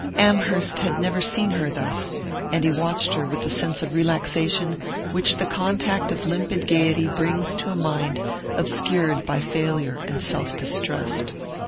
Amherst had never seen her thus, and he watched her with the sense of relaxation which the contact of limpid gaiety brings to a mind obscured by failure and self distrust.